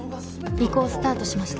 「尾行スタートしました」。